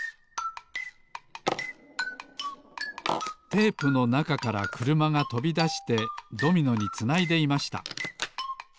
テープのなかからくるまがとびだしてドミノにつないでいました